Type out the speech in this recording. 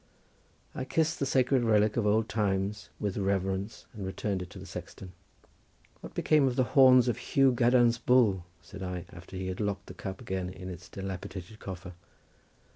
I kissed the sacred relic of old times with reverence and returned it to the old sexton. "What became of the horns of Hu Gadarn's bull?" said I after he had locked the cup again in its delapidated coffer.